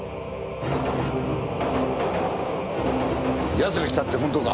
奴が来たって本当か？